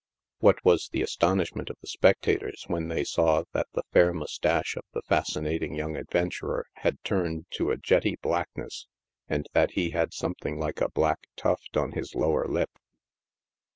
What was the astonish ment of the spectators when they saw that the fair moustache of the fascinating young adventurer had turned to a jetty blackness, and that he had something like a black tuft on his lower lip